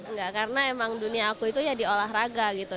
enggak karena emang dunia aku itu ya di olahraga gitu